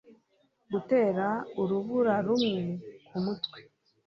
Gutera urubura rumwe kumutwe